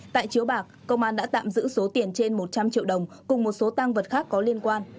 tại chiếu bạc công an đã tạm giữ số tiền trên một trăm linh triệu đồng cùng một số tăng vật khác có liên quan